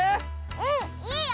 うんいいよ！